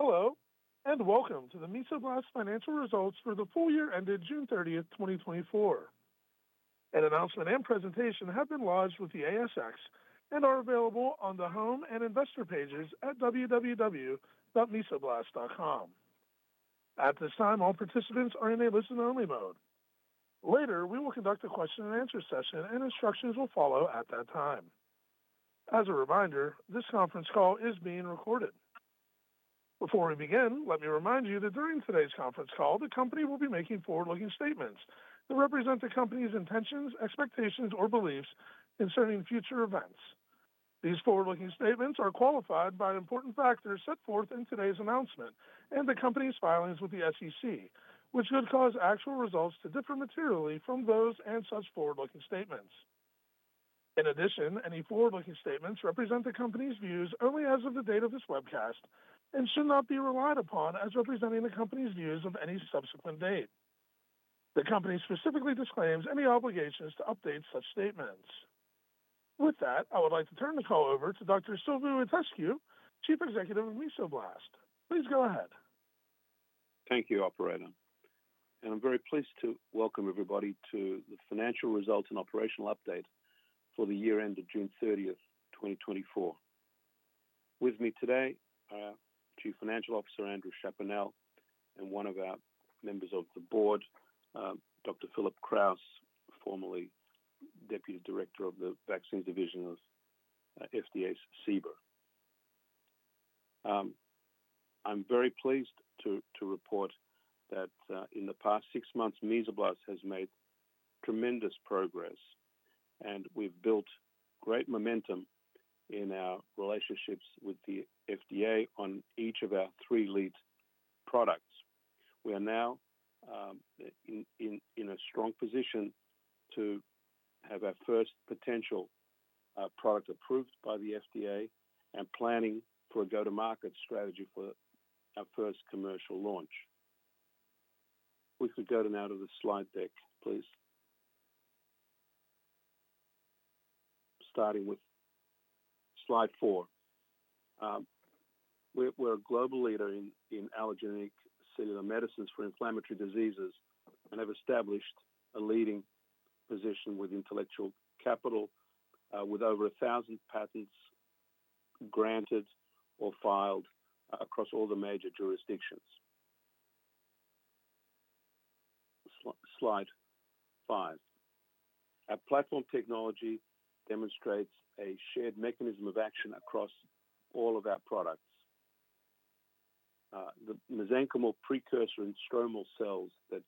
Hello, and welcome to the Mesoblast financial results for the full year ended June thirtieth, twenty twenty-four. An announcement and presentation have been lodged with the ASX and are available on the home and investor pages at www.mesoblast.com. At this time, all participants are in a listen-only mode. Later, we will conduct a question-and-answer session, and instructions will follow at that time. As a reminder, this conference call is being recorded. Before we begin, let me remind you that during today's conference call, the company will be making forward-looking statements that represent the company's intentions, expectations, or beliefs concerning future events. These forward-looking statements are qualified by important factors set forth in today's announcement and the company's filings with the SEC, which could cause actual results to differ materially from those and such forward-looking statements. In addition, any forward-looking statements represent the company's views only as of the date of this webcast and should not be relied upon as representing the company's views of any subsequent date. The company specifically disclaims any obligations to update such statements. With that, I would like to turn the call over to Dr. Silviu Itescu, Chief Executive of Mesoblast. Please go ahead. Thank you, operator, and I'm very pleased to welcome everybody to the financial results and operational update for the year end of June 30, 2024. With me today are Chief Financial Officer Andrew Chaponnel, and one of our members of the board, Dr. Philip Krause, formerly Deputy Director of the Vaccines Division of FDA's CBER. I'm very pleased to report that in the past six months, Mesoblast has made tremendous progress, and we've built great momentum in our relationships with the FDA on each of our three lead products. We are now in a strong position to have our first potential product approved by the FDA and planning for a go-to-market strategy for our first commercial launch. We could go now to the slide deck, please. Starting with slide four. We're a global leader in allogeneic cellular medicines for inflammatory diseases and have established a leading position with intellectual capital with over a thousand patents granted or filed across all the major jurisdictions. Slide five. Our platform technology demonstrates a shared mechanism of action across all of our products. The mesenchymal precursor and stromal cells that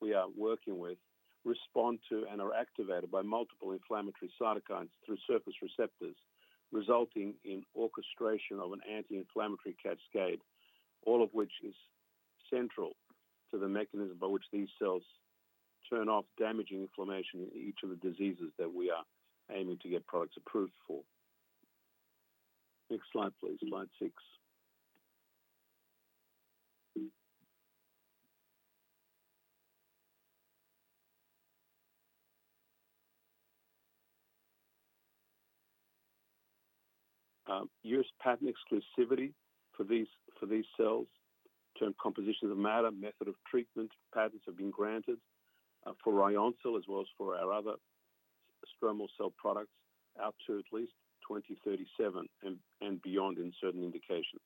we are working with respond to and are activated by multiple inflammatory cytokines through surface receptors, resulting in orchestration of an anti-inflammatory cascade, all of which is central to the mechanism by which these cells turn off damaging inflammation in each of the diseases that we are aiming to get products approved for. Next slide, please. Slide six. U.S. patent exclusivity for these cells to a composition of matter, method of treatment. Patents have been granted for Ryoncil, as well as for our other stromal cell products out to at least 2037 and beyond in certain indications.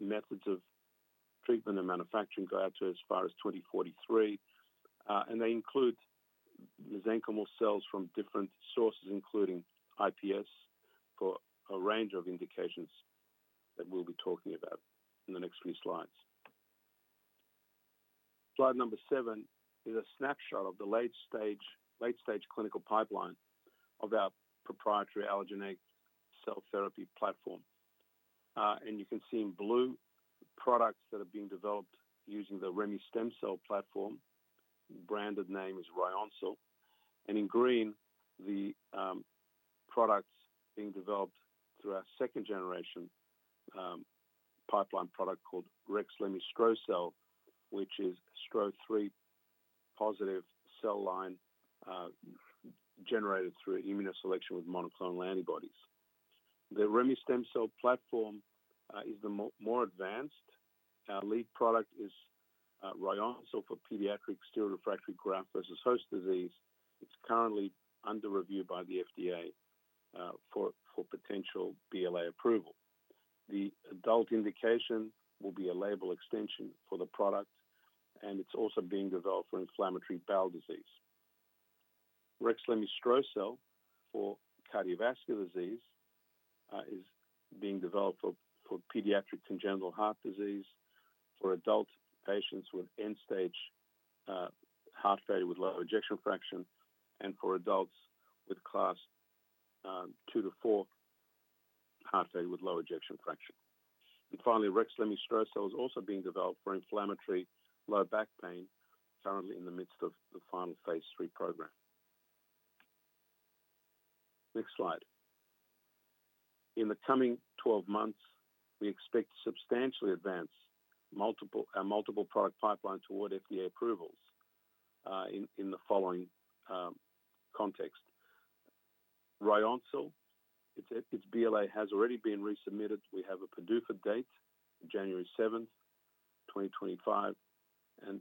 Methods of treatment and manufacturing go out to as far as 2043, and they include mesenchymal cells from different sources, including iPS, for a range of indications that we'll be talking about in the next few slides. Slide number seven is a snapshot of the late-stage clinical pipeline of our proprietary allogeneic cell therapy platform. You can see in blue products that are being developed using the remestemcel-L platform, brand name is Ryoncil, and in green, the products being developed through our second generation pipeline product called Rexlemestrocel-L, which is Stro-3 positive cell line, generated through immunoselection with monoclonal antibodies. The remestemcel-L platform is the more advanced. Our lead product is Ryoncil for pediatric steroid-refractory graft versus host disease. It's currently under review by the FDA for potential BLA approval. The adult indication will be a label extension for the product, and it's also being developed for inflammatory bowel disease. Rexlemestrocel-L for cardiovascular disease is being developed for pediatric congenital heart disease, for adult patients with end-stage heart failure with low ejection fraction, and for adults with Class II-IV heart failure with low ejection fraction. Finally, Rexlemestrocel-L is also being developed for inflammatory low back pain, currently in the midst of the final phase 3 program. Next slide. In the coming 12 months, we expect to substantially advance our multiple product pipeline toward FDA approvals in the following context. Ryoncil, its BLA has already been resubmitted. We have a PDUFA date, January 7, 2025, and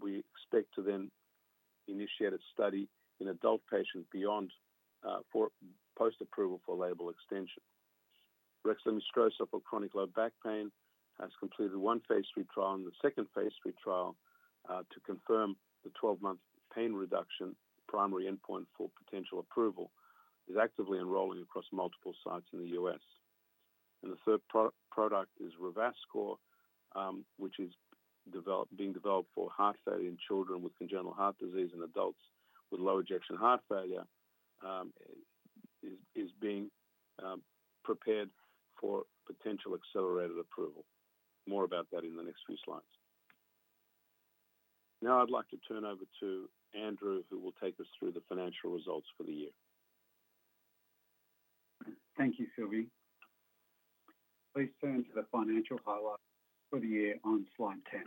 we expect to then initiate a study in adult patients beyond for post-approval for label extension. Rexlemestrocel-L for chronic low back pain has completed one phase 3 trial, and the second phase 3 trial to confirm the 12-month pain reduction primary endpoint for potential approval is actively enrolling across multiple sites in the U.S. The third product is Revascor, which is being developed for heart failure in children with congenital heart disease and adults with low ejection fraction heart failure, is being prepared for potential accelerated approval. More about that in the next few slides. Now, I'd like to turn over to Andrew, who will take us through the financial results for the year. Thank you, Silviu. Please turn to the financial highlights for the year on slide 10.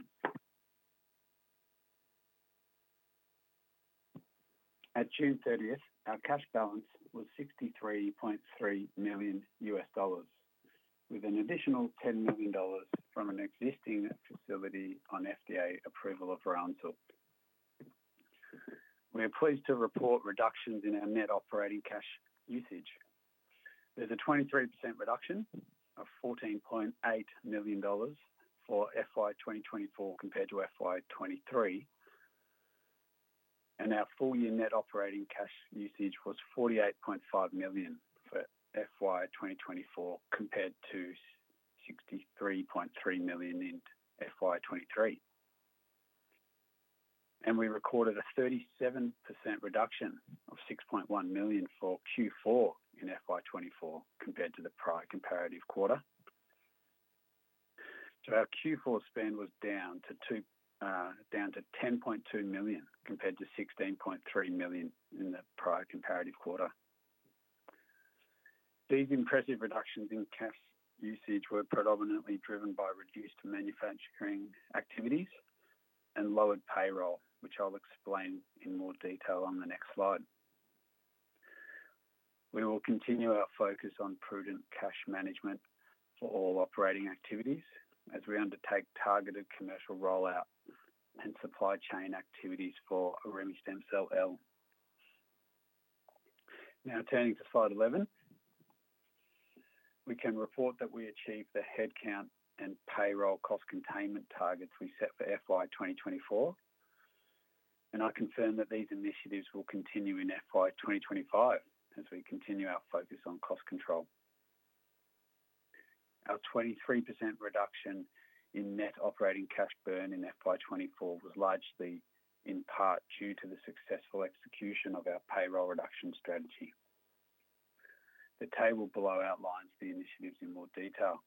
At June thirtieth, our cash balance was $63.3 million, with an additional $10 million from an existing facility on FDA approval of Ryoncil. We are pleased to report reductions in our net operating cash usage. There's a 23% reduction of $14.8 million for FY 2024 compared to FY 2023, and our full year net operating cash usage was $48.5 million for FY 2024, compared to $63.3 million in FY 2023, and we recorded a 37% reduction of $6.1 million for Q4 in FY 2024 compared to the prior comparative quarter. So our Q4 spend was down to two, down to $10.2 million, compared to $16.3 million in the prior comparative quarter. These impressive reductions in cash usage were predominantly driven by reduced manufacturing activities and lowered payroll, which I'll explain in more detail on the next slide. We will continue our focus on prudent cash management for all operating activities, as we undertake targeted commercial rollout and supply chain activities for remestemcel-L. Now, turning to slide 11. We can report that we achieved the headcount and payroll cost containment targets we set for FY 2024, and I confirm that these initiatives will continue in FY 2025, as we continue our focus on cost control. Our 23% reduction in net operating cash burn in FY 2024 was largely in part due to the successful execution of our payroll reduction strategy. The table below outlines the initiatives in more detail,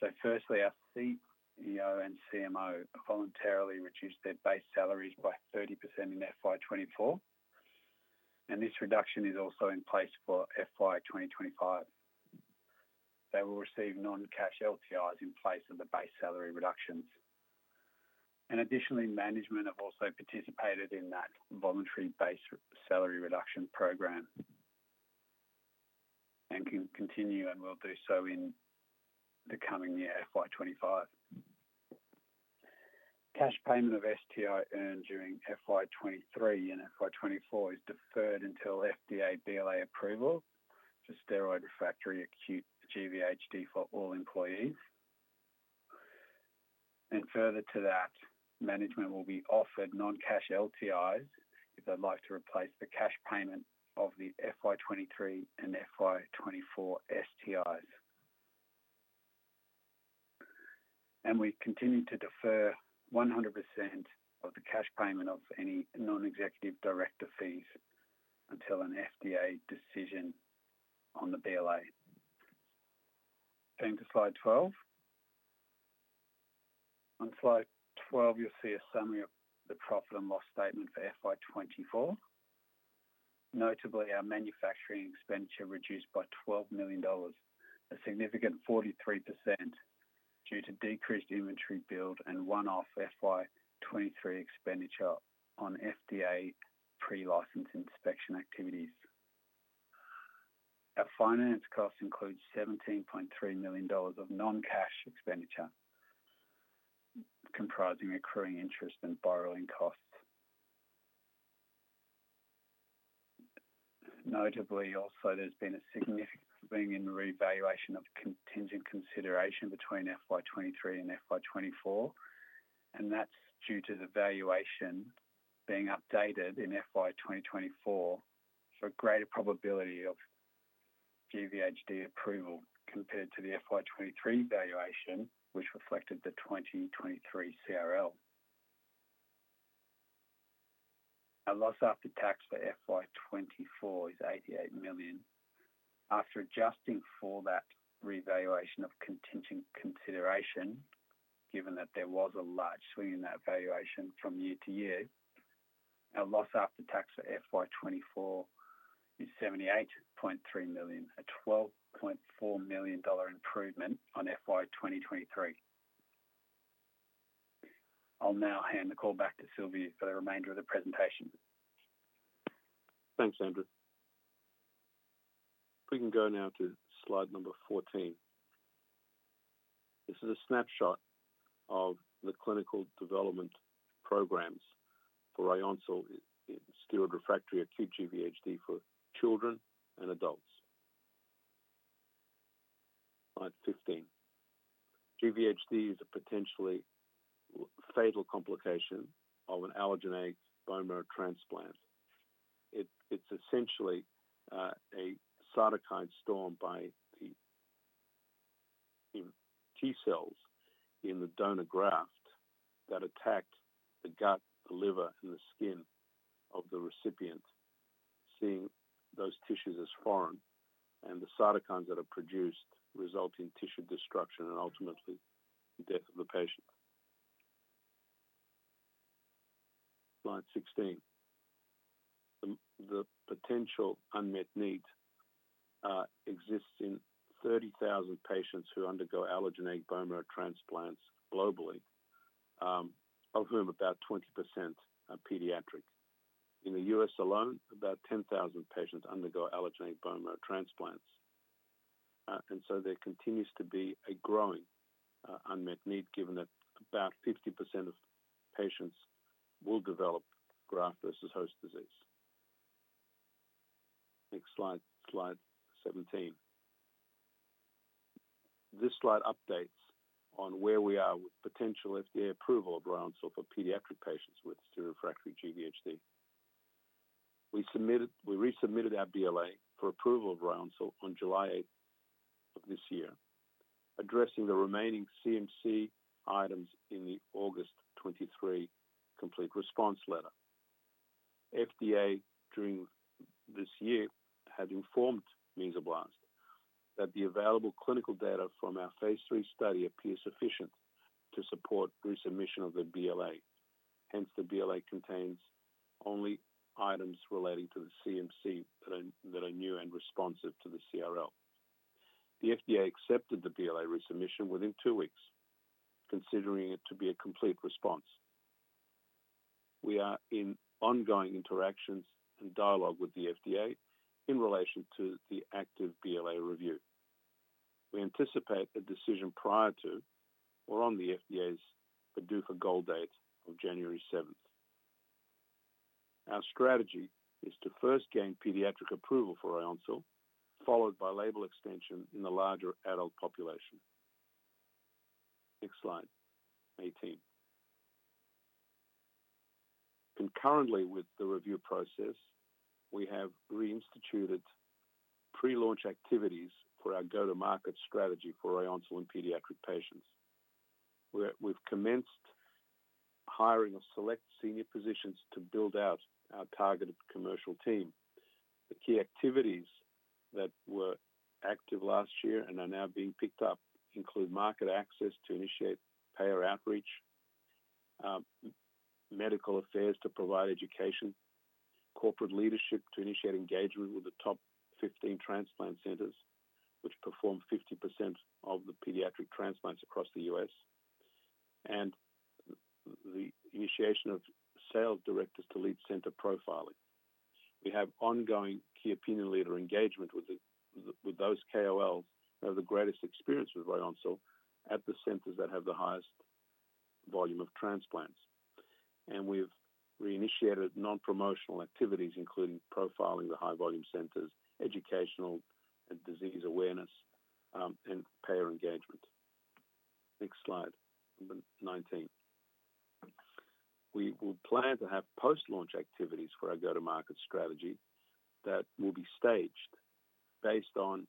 so firstly, our CEO and CMO voluntarily reduced their base salaries by 30% in FY 2024, and this reduction is also in place for FY 2025. They will receive non-cash LTI in place of the base salary reductions, and additionally, management have also participated in that voluntary base salary reduction program, and can continue and will do so in the coming year, FY 2025. Cash payment of STI earned during FY 2023 and FY 2024 is deferred until FDA BLA approval for steroid-refractory acute GVHD for all employees. Further to that, management will be offered non-cash LTIs if they'd like to replace the cash payment of the FY 2023 and FY 2024 STIs. We continue to defer 100% of the cash payment of any non-executive director fees until an FDA decision on the BLA. Turning to slide 12. On slide 12, you'll see a summary of the profit and loss statement for FY 2024. Notably, our manufacturing expenditure reduced by $12 million, a significant 43%, due to decreased inventory build and one-off FY 2023 expenditure on FDA pre-license inspection activities. Our finance costs include $17.3 million of non-cash expenditure, comprising accruing interest and borrowing costs. Notably, also, there's been a significant swing in revaluation of contingent consideration between FY 2023 and FY 2024, and that's due to the valuation being updated in FY 2024, so a greater probability of GVHD approval compared to the FY 2023 valuation, which reflected the 2023 CRL. Our loss after tax for FY 2024 is $88 million. After adjusting for that revaluation of contingent consideration, given that there was a large swing in that valuation from year to year, our loss after tax for FY 2024 is $78.3 million, a $12.4 million improvement on FY 2023. I'll now hand the call back to Silviu for the remainder of the presentation. Thanks, Andrew. We can go now to slide number 14. This is a snapshot of the clinical development programs for Ryoncil in steroid-refractory acute GVHD for children and adults. Slide 15. GVHD is a potentially fatal complication of an allogeneic bone marrow transplant. It's essentially a cytokine storm by the T cells in the donor graft that attack the gut, the liver, and the skin of the recipient, seeing those tissues as foreign, and the cytokines that are produced result in tissue destruction and ultimately the death of the patient. Slide 16. The potential unmet need exists in thirty thousand patients who undergo allogeneic bone marrow transplants globally, of whom about 20% are pediatric. In the U.S. alone, about ten thousand patients undergo allogeneic bone marrow transplants. And so there continues to be a growing, unmet need, given that about 50% of patients will develop graft versus host disease. Next slide, slide 17. This slide updates on where we are with potential FDA approval of Ryoncil for pediatric patients with steroid-refractory GVHD. We resubmitted our BLA for approval of Ryoncil on July eighth of this year, addressing the remaining CMC items in the August 2023 complete response letter. FDA, during this year, has informed Mesoblast that the available clinical data from our phase three study appears sufficient to support resubmission of the BLA. Hence, the BLA contains only items relating to the CMC that are new and responsive to the CRL. The FDA accepted the BLA resubmission within two weeks, considering it to be a complete response. We are in ongoing interactions and dialogue with the FDA in relation to the active BLA review. We anticipate a decision prior to or on the FDA's PDUFA goal date of January seventh. Our strategy is to first gain pediatric approval for Ryoncil, followed by label extension in the larger adult population. Next slide, 18. Concurrently with the review process, we have reinstituted pre-launch activities for our go-to-market strategy for Ryoncil in pediatric patients. We've commenced hiring of select senior positions to build out our targeted commercial team. The key activities that were active last year and are now being picked up include market access to initiate payer outreach, medical affairs to provide education, corporate leadership to initiate engagement with the top 15 transplant centers, which perform 50% of the pediatric transplants across the U.S., and the initiation of sales directors to lead center profiling. We have ongoing key opinion leader engagement with those KOLs who have the greatest experience with Ryoncil at the centers that have the highest volume of transplants. And we've reinitiated non-promotional activities, including profiling the high volume centers, educational and disease awareness, and payer engagement. Next slide, number 19. We will plan to have post-launch activities for our go-to-market strategy that will be staged based on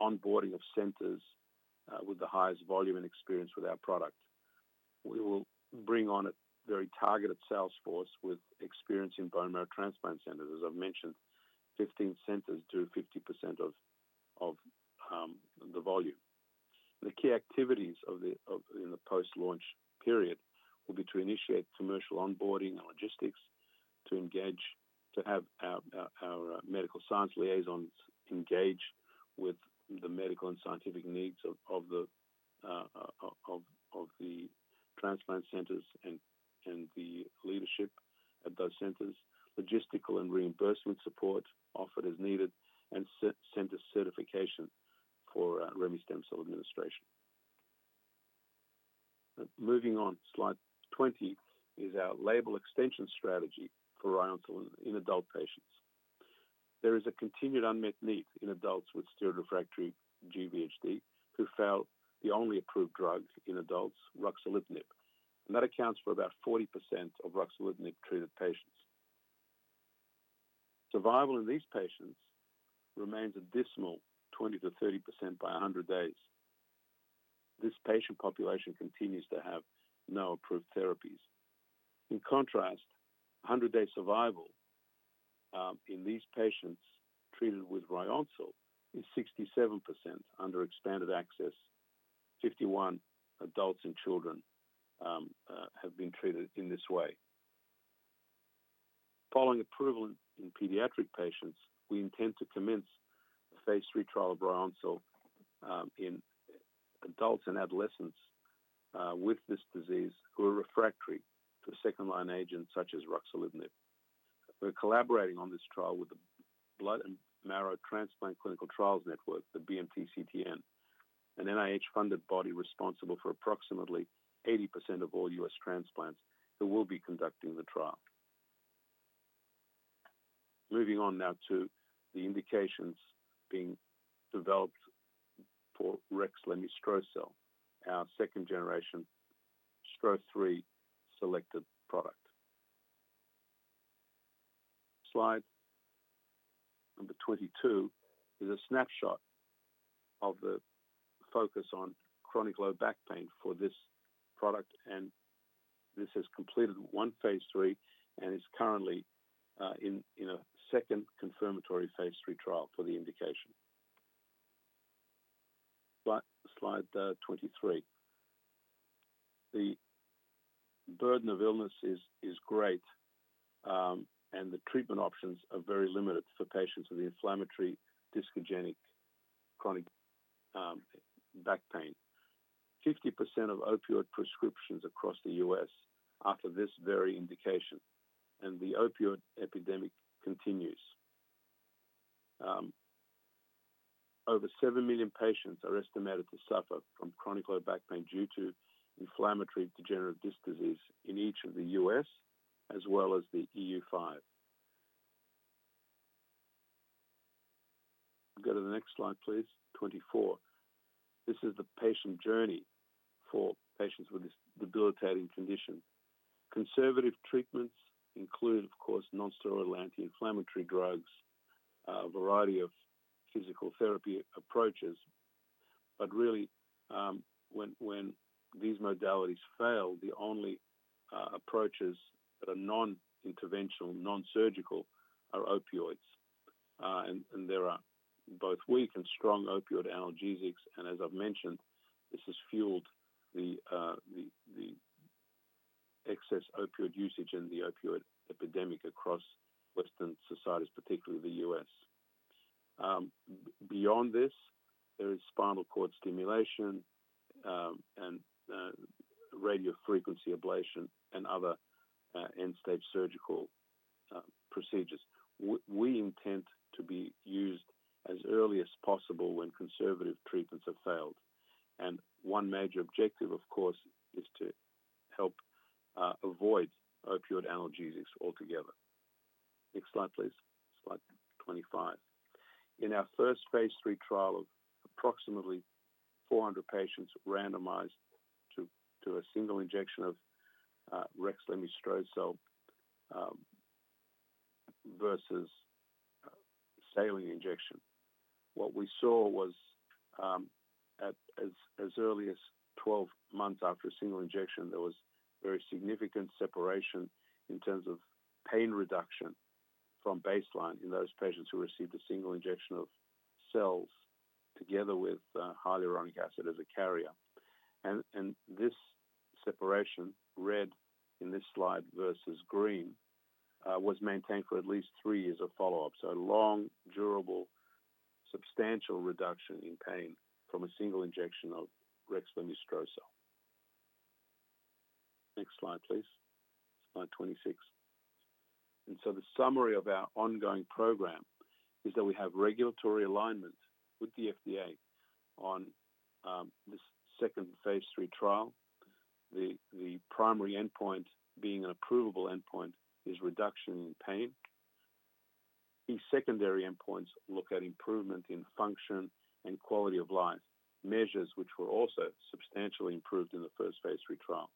onboarding of centers with the highest volume and experience with our product. We will bring on a very targeted sales force with experience in bone marrow transplant centers. As I've mentioned, 15 centers do 50% of the volume. The key activities in the post-launch period will be to initiate commercial onboarding and logistics, to have our medical science liaisons engage with the medical and scientific needs of the transplant centers and the leadership at those centers. Logistical and reimbursement support offered as needed and center certification for remestemcel-L administration. Moving on, slide 20 is our label extension strategy for Ryoncil in adult patients. There is a continued unmet need in adults with steroid-refractory GVHD who fail the only approved drug in adults, ruxolitinib, and that accounts for about 40% of ruxolitinib-treated patients. Survival in these patients remains a dismal 20%-30% by 100 days. This patient population continues to have no approved therapies. In contrast, 100-day survival in these patients treated with Ryoncil is 67% under expanded access. 51 adults and children have been treated in this way. Following approval in pediatric patients, we intend to commence a phase 3 trial of Ryoncil in adults and adolescents with this disease who are refractory to second-line agents such as ruxolitinib. We're collaborating on this trial with the Blood and Marrow Transplant Clinical Trials Network, the BMT CTN, an NIH-funded body responsible for approximately 80% of all U.S. transplants, who will be conducting the trial. Moving on now to the indications being developed for Rexlemestrocel-L, our second-generation Stro-3-selected product. Slide number 22 is a snapshot of the focus on chronic low back pain for this product, and this has completed one phase 3 and is currently in a second confirmatory phase 3 trial for the indication. Slide 23. The burden of illness is great, and the treatment options are very limited for patients with inflammatory discogenic chronic back pain. 50% of opioid prescriptions across the U.S. are for this very indication, and the opioid epidemic continues. Over 7 million patients are estimated to suffer from chronic low back pain due to inflammatory degenerative disc disease in each of the U.S. as well as the EU5. Go to the next slide, please. 24. This is the patient journey for patients with this debilitating condition. Conservative treatments include, of course, non-steroidal anti-inflammatory drugs, a variety of physical therapy approaches. But really, when these modalities fail, the only approaches that are non-interventional, non-surgical, are opioids, and there are both weak and strong opioid analgesics, and as I've mentioned, this has fueled the excess opioid usage and the opioid epidemic across Western societies, particularly the U.S. Beyond this, there is spinal cord stimulation, and radiofrequency ablation and other end-stage surgical procedures. We intend to be used as early as possible when conservative treatments have failed, and one major objective, of course, is to help avoid opioid analgesics altogether. Next slide, please. Slide 25. In our first phase 3 trial of approximately 400 patients randomized to a single injection of Rexlemestrocel-L versus saline injection, what we saw was as early as 12 months after a single injection, there was very significant separation in terms of pain reduction from baseline in those patients who received a single injection of cells together with hyaluronic acid as a carrier. This separation, red in this slide versus green, was maintained for at least 3 years of follow-up. A long, durable, substantial reduction in pain from a single injection of Rexlemestrocel-L. Next slide, please. Slide 26. The summary of our ongoing program is that we have regulatory alignment with the FDA on this second phase 3 trial. The primary endpoint being an approvable endpoint is reduction in pain. The secondary endpoints look at improvement in function and quality of life, measures which were also substantially improved in the first phase 3 trial.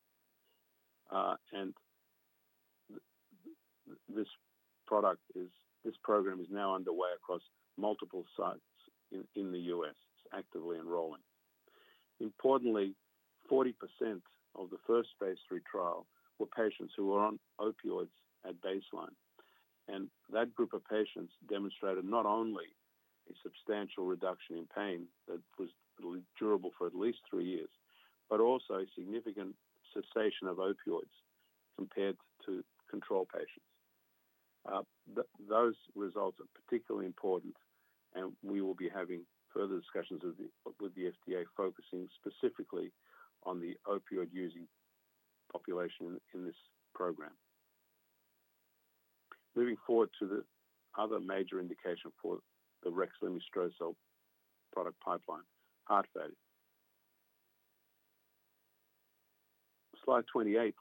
This program is now underway across multiple sites in the U.S. It's actively enrolling. Importantly, 40% of the first phase 3 trial were patients who were on opioids at baseline, and that group of patients demonstrated not only a substantial reduction in pain that was durable for at least three years, but also significant cessation of opioids compared to control patients. Those results are particularly important, and we will be having further discussions with the FDA, focusing specifically on the opioid-using population in this program. Moving forward to the other major indication for the Rexlemestrocel-L product pipeline, heart failure. Slide 28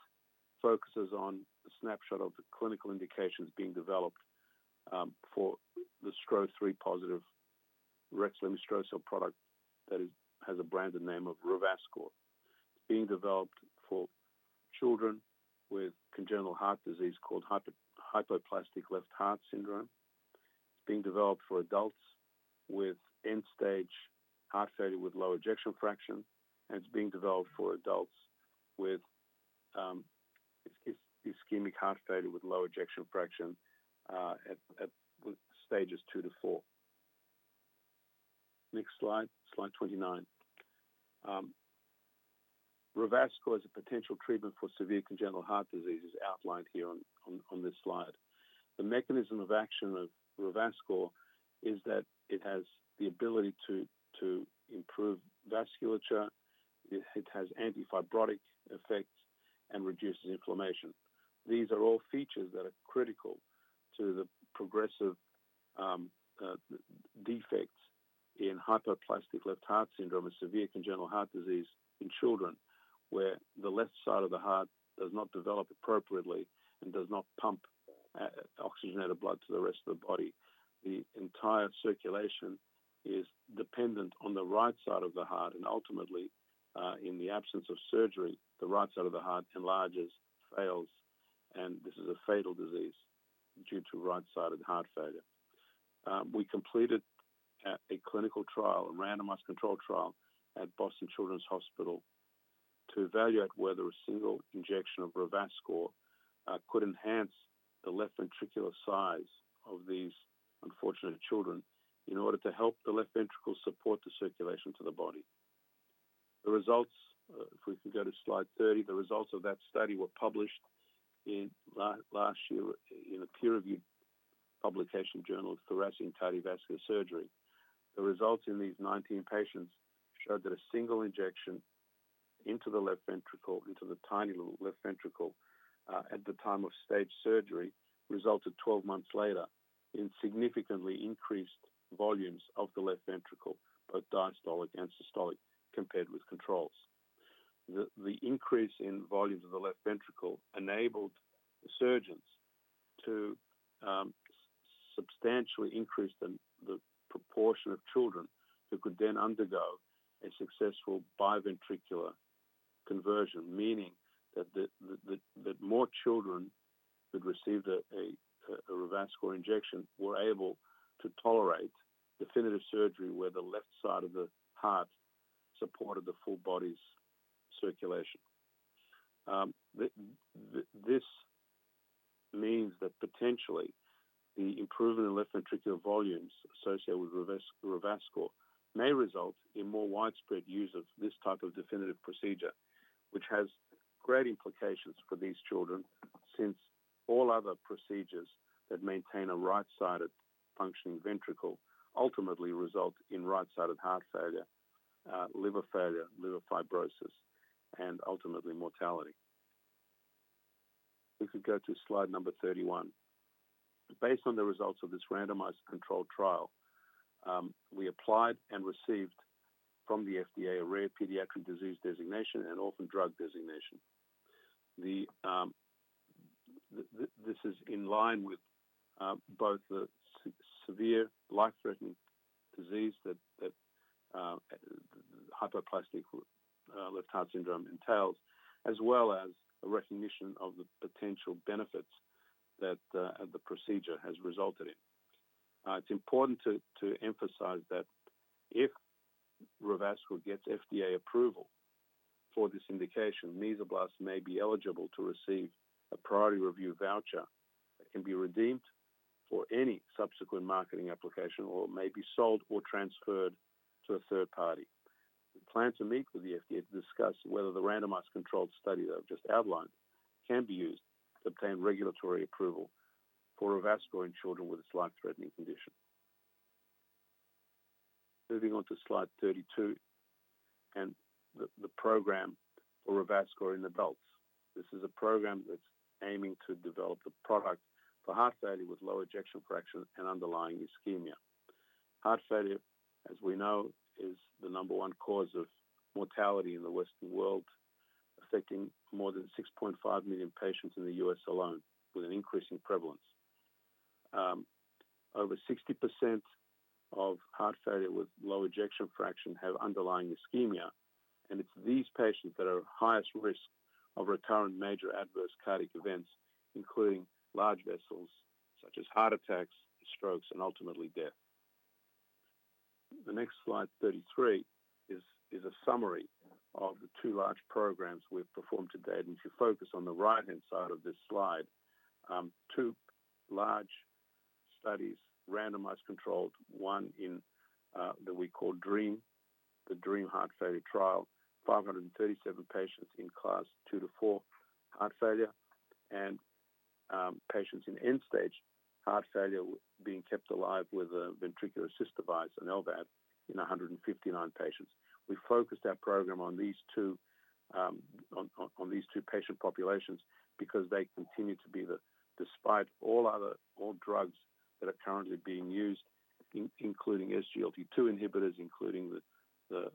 focuses on the snapshot of the clinical indications being developed for the Stro-3 positive Rexlemestrocel-L product that has a branded name of Revascor. It's being developed for children with congenital heart disease called hypoplastic left heart syndrome. It's being developed for adults with end-stage heart failure with low ejection fraction, and it's being developed for adults with ischemic heart failure with low ejection fraction at stages two to four. Next slide, slide 29. Revascor as a potential treatment for severe congenital heart disease is outlined here on this slide. The mechanism of action of Revascor is that it has the ability to improve vasculature, it has anti-fibrotic effects and reduces inflammation. These are all features that are critical to the progressive defects in hypoplastic left heart syndrome, a severe congenital heart disease in children, where the left side of the heart does not develop appropriately and does not pump oxygenated blood to the rest of the body. The entire circulation is dependent on the right side of the heart, and ultimately, in the absence of surgery, the right side of the heart enlarges, fails, and this is a fatal disease due to right-sided heart failure. We completed a clinical trial, a randomized control trial at Boston Children's Hospital, to evaluate whether a single injection of Revascor could enhance the left ventricular size of these unfortunate children in order to help the left ventricle support the circulation to the body. The results, if we can go to slide 30, the results of that study were published last year in a peer-reviewed Journal of Thoracic and Cardiovascular Surgery. The results in these nineteen patients showed that a single injection into the left ventricle, into the tiny little left ventricle, at the time of stage surgery, resulted twelve months later in significantly increased volumes of the left ventricle, both diastolic and systolic, compared with controls. The increase in volumes of the left ventricle enabled the surgeons to substantially increase the proportion of children who could then undergo a successful biventricular conversion, meaning that more children who'd received a Revascor injection were able to tolerate definitive surgery where the left side of the heart supported the full body's circulation. This means that potentially the improvement in left ventricular volumes associated with Revascor may result in more widespread use of this type of definitive procedure, which has great implications for these children, since all other procedures that maintain a right-sided functioning ventricle ultimately result in right-sided heart failure, liver failure, liver fibrosis, and ultimately mortality. We could go to slide number 31. Based on the results of this randomized controlled trial, we applied and received from the FDA a rare pediatric disease designation and orphan drug designation. This is in line with both the severe life-threatening disease that hypoplastic left heart syndrome entails, as well as a recognition of the potential benefits that the procedure has resulted in. It's important to emphasize that if Revascor gets FDA approval for this indication, Mesoblast may be eligible to receive a priority review voucher that can be redeemed for any subsequent marketing application, or it may be sold or transferred to a third party. We plan to meet with the FDA to discuss whether the randomized controlled study that I've just outlined can be used to obtain regulatory approval for Revascor in children with this life-threatening condition. Moving on to slide 32, and the program for Revascor in adults. This is a program that's aiming to develop a product for heart failure with low ejection fraction and underlying ischemia. Heart failure, as we know, is the number one cause of mortality in the Western world, affecting more than 6.5 million patients in the US alone, with an increase in prevalence. Over 60% of heart failure with low ejection fraction have underlying ischemia, and it's these patients that are at highest risk of recurrent major adverse cardiac events, including large vessels such as heart attacks, strokes, and ultimately death. The next slide, 33, is a summary of the two large programs we've performed to date. And if you focus on the right-hand side of this slide, two large studies, randomized, controlled, one in that we call DREAM, the DREAM Heart Failure Trial, 537 patients in Class II-IV heart failure, and patients in end-stage heart failure being kept alive with a ventricular assist device, an LVAD, in 159 patients. We focused our program on these two patient populations because they continue to be the, despite all other drugs that are currently being used, including SGLT2 inhibitors, including the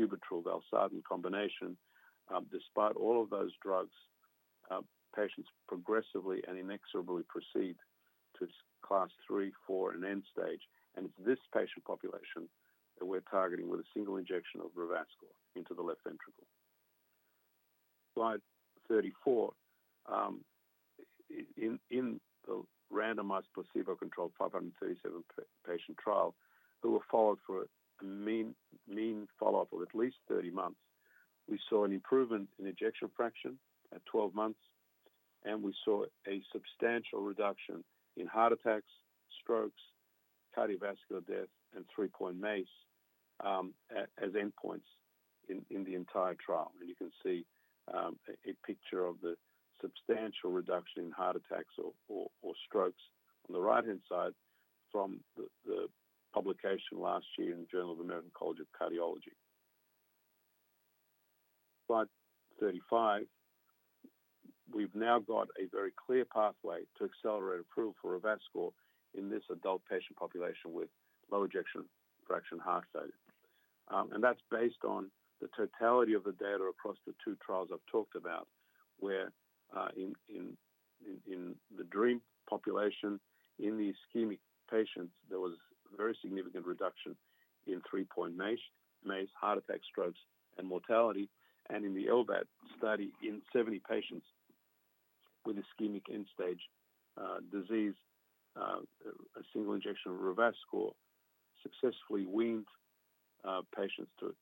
sacubitril-valsartan combination. Despite all of those drugs, patients progressively and inexorably proceed to Class III, IV, and end stage, and it's this patient population that we're targeting with a single injection of Revascor into the left ventricle. Slide 34. In the randomized placebo-controlled 537-patient trial, they were followed for mean follow-up of at least 30 months. We saw an improvement in ejection fraction at 12 months, and we saw a substantial reduction in heart attacks, strokes, cardiovascular death, and 3-point MACE as endpoints in the entire trial. And you can see a picture of the substantial reduction in heart attacks or strokes on the right-hand side from the publication last year in the Journal of American College of Cardiology. Slide 35. We've now got a very clear pathway to accelerate approval for Revascor in this adult patient population with low ejection fraction heart failure. And that's based on the totality of the data across the two trials I've talked about, where in the DREAM population, in the ischemic patients, there was a very significant reduction in three-point MACE, heart attack, strokes, and mortality, and in the LVAD study in seventy patients with ischemic end-stage disease, a single injection of Revascor successfully weaned patients to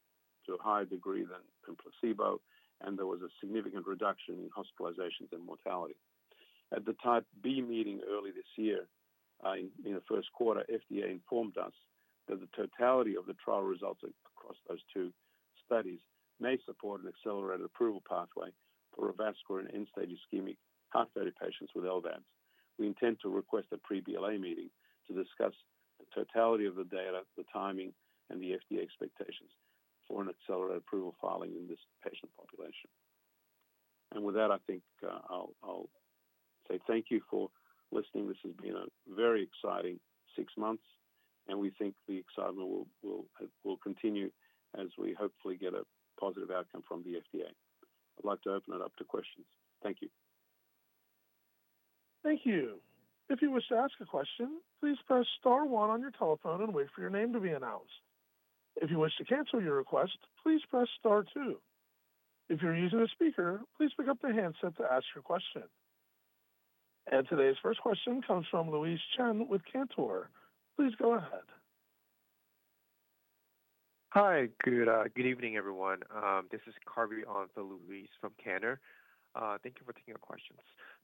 a higher degree than in placebo, and there was a significant reduction in hospitalizations and mortality. At the Type B meeting early this year in the first quarter, FDA informed us that the totality of the trial results across those two studies may support an accelerated approval pathway for Revascor in end-stage ischemic heart failure patients with LVADs. We intend to request a pre-BLA meeting to discuss the totality of the data, the timing, and the FDA expectations for an accelerated approval filing in this patient population. And with that, I think I'll say thank you for listening. This has been a very exciting six months, and we think the excitement will continue as we hopefully get a positive outcome from the FDA. I'd like to open it up to questions. Thank you. Thank you. If you wish to ask a question, please press star one on your telephone and wait for your name to be announced. If you wish to cancel your request, please press star two. If you're using a speaker, please pick up the handset to ask your question, and today's first question comes from Louise Chen with Cantor. Please go ahead. Hi, good evening, everyone. This is Carvey Leung for Louise from Cantor. Thank you for taking the questions.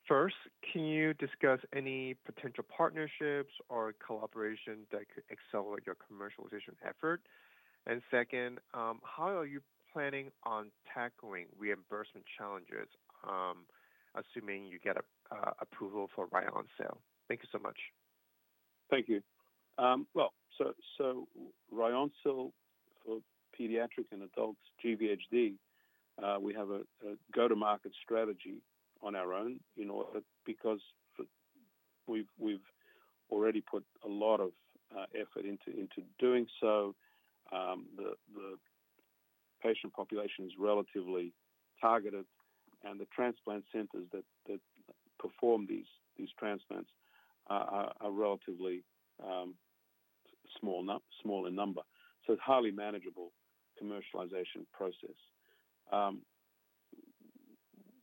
First, can you discuss any potential partnerships or collaboration that could accelerate your commercialization effort? And second, how are you planning on tackling reimbursement challenges, assuming you get a approval for Ryoncil? Thank you so much. Thank you. Well, so Ryoncil for pediatric and adult GVHD, we have a go-to-market strategy on our own, you know, because... We've already put a lot of effort into doing so. The patient population is relatively targeted, and the transplant centers that perform these transplants are relatively small in number, so it's highly manageable commercialization process.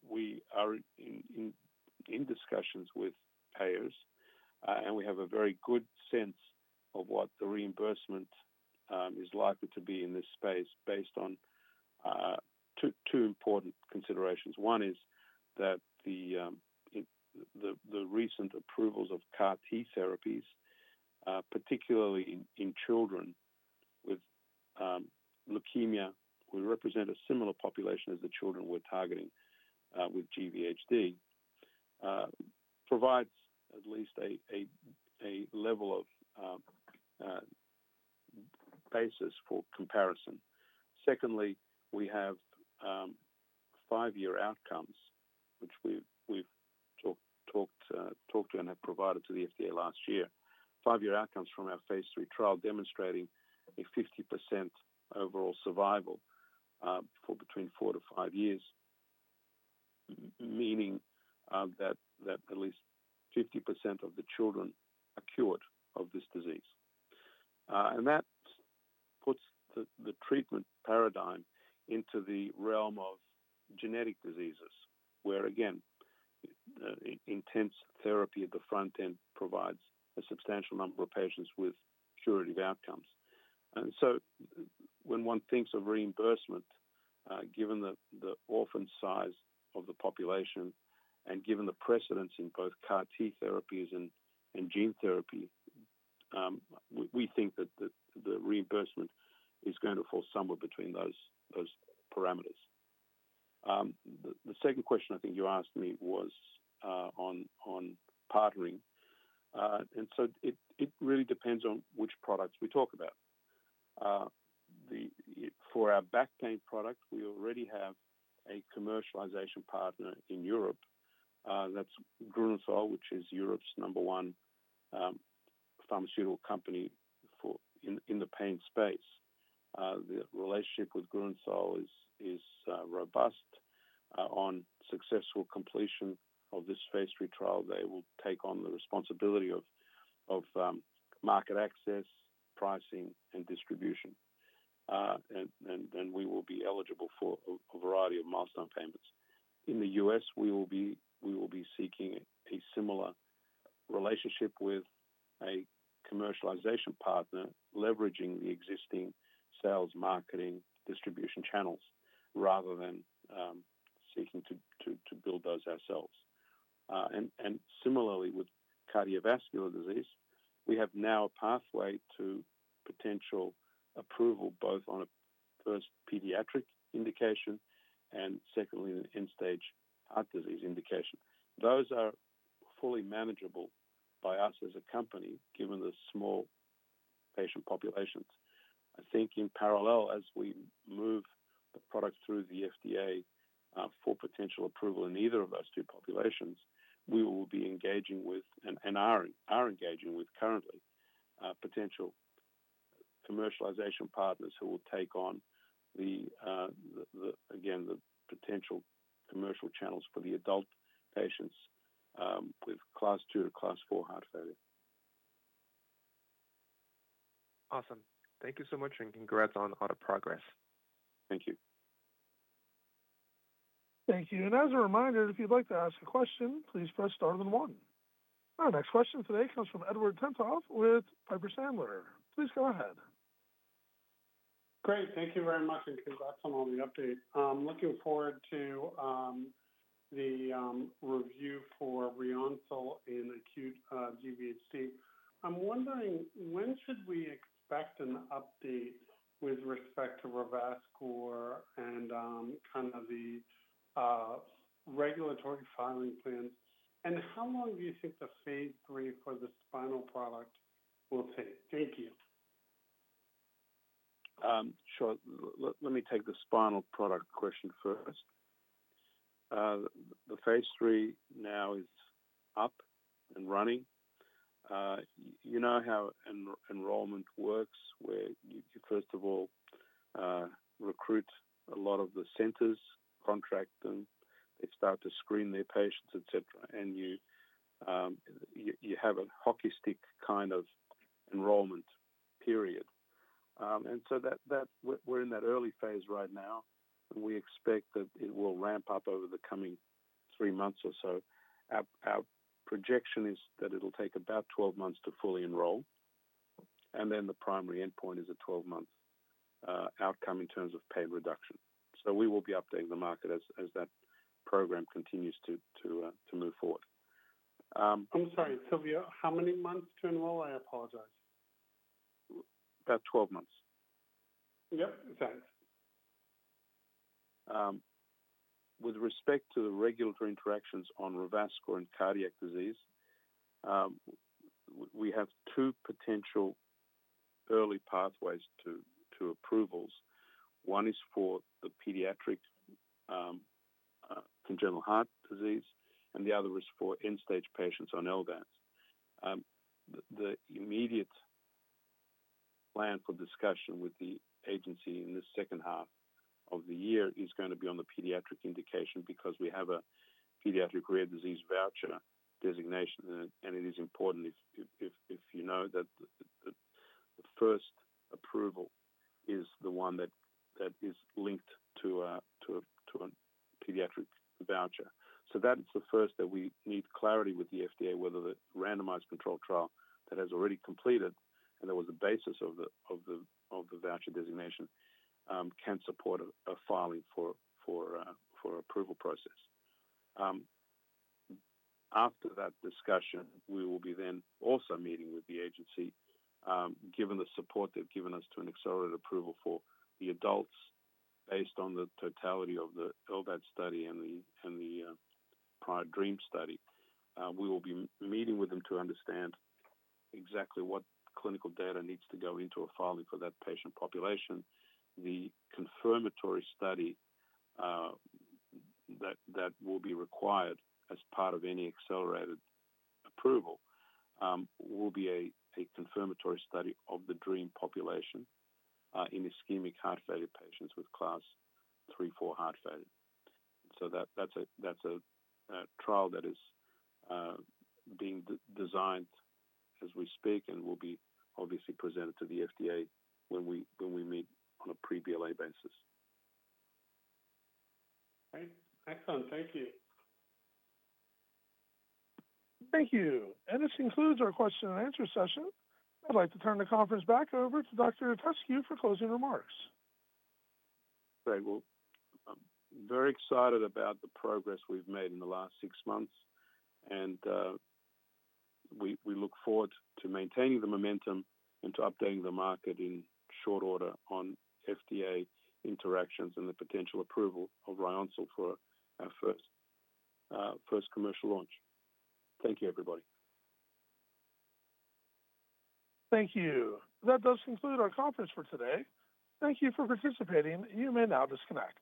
We are in discussions with payers, and we have a very good sense of what the reimbursement is likely to be in this space based on two important considerations. One is that the recent approvals of CAR T therapies, particularly in children with leukemia, would represent a similar population as the children we're targeting with GvHD, provides at least a level of basis for comparison. Secondly, we have five-year outcomes, which we've talked to and have provided to the FDA last year, five-year outcomes from our phase 3 trial, demonstrating a 50% overall survival for between four to five years, meaning that at least 50% of the children are cured of this disease. That puts the treatment paradigm into the realm of genetic diseases, where, again, intense therapy at the front end provides a substantial number of patients with curative outcomes. And so when one thinks of reimbursement, given the orphan size of the population and given the precedents in both CAR T therapies and gene therapy, we think that the reimbursement is going to fall somewhere between those parameters. The second question I think you asked me was on partnering, and so it really depends on which products we talk about. For our back pain product, we already have a commercialization partner in Europe. That's Grünenthal, which is Europe's number one pharmaceutical company in the pain space. The relationship with Grünenthal is robust. On successful completion of this phase three trial, they will take on the responsibility of market access, pricing, and distribution. We will be eligible for a variety of milestone payments. In the U.S., we will be seeking a similar relationship with a commercialization partner, leveraging the existing sales, marketing, distribution channels, rather than seeking to build those ourselves. Similarly with cardiovascular disease, we have now a pathway to potential approval, both on a first pediatric indication and secondly, an end-stage heart disease indication. Those are fully manageable by us as a company, given the small patient populations. I think in parallel, as we move the product through the FDA, for potential approval in either of those two populations, we will be engaging with and are engaging with currently, potential commercialization partners who will take on the, again, the potential commercial channels for the adult patients, with Class II to Class IV heart failure. Awesome. Thank you so much, and congrats on all the progress. Thank you. Thank you. And as a reminder, if you'd like to ask a question, please press star then one. Our next question today comes from Edward Tenthoff with Piper Sandler. Please go ahead. Great, thank you very much, and congrats on all the update. Looking forward to the review for Ryoncil in acute GVHD. I'm wondering, when should we expect an update with respect to Revascor and kind of the regulatory filing plans? And how long do you think the phase three for the spinal product will take? Thank you. Sure. Let me take the spinal product question first. The phase 3 now is up and running. You know how enrollment works, where you first of all recruit a lot of the centers, contract them, they start to screen their patients, et cetera, and you have a hockey stick kind of enrollment period. And so that, we're in that early phase right now, and we expect that it will ramp up over the coming three months or so. Our projection is that it'll take about twelve months to fully enroll, and then the primary endpoint is a twelve-month outcome in terms of pain reduction. So we will be updating the market as that program continues to move forward. I'm sorry, Silviu, how many months to enroll? I apologize. About 12 months. Yep. Thanks. With respect to the regulatory interactions on Revascor and cardiac disease, we have two potential early pathways to approvals. One is for the pediatric congenital heart disease, and the other is for end-stage patients on LVADs. The immediate plan for discussion with the agency in the second half of the year is going to be on the pediatric indication because we have a pediatric rare disease voucher designation, and it is important, you know, that the first approval is the one that is linked to a pediatric voucher. So that's the first that we need clarity with the FDA, whether the randomized controlled trial that has already completed and that was the basis of the voucher designation can support a filing for approval process. After that discussion, we will be then also meeting with the agency, given the support they've given us to an accelerated approval for the adults, based on the totality of the LVAD study and the prior DREAM study. We will be meeting with them to understand exactly what clinical data needs to go into a filing for that patient population. The confirmatory study that will be required as part of any accelerated approval will be a confirmatory study of the DREAM population in ischemic heart failure patients with Class III, IV heart failure. So that's a trial that is being designed as we speak and will be obviously presented to the FDA when we meet on a pre-BLA basis. Great. Excellent, thank you. Thank you. And this concludes our question and answer session. I'd like to turn the conference back over to Dr. Itescu for closing remarks. Great. Well, I'm very excited about the progress we've made in the last six months, and we look forward to maintaining the momentum and to updating the market in short order on FDA interactions and the potential approval of Ryoncil for our first commercial launch. Thank you, everybody. Thank you. That does conclude our conference for today. Thank you for participating. You may now disconnect.